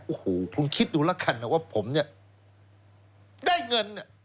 โอ้โฮคุณคิดดูแล้วกันนะว่าผมจะได้เงิน